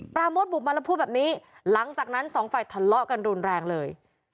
โมดบุกมาแล้วพูดแบบนี้หลังจากนั้นสองฝ่ายทะเลาะกันรุนแรงเลย